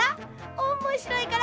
おもしろいから！